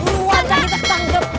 buru anca kita ketang ketang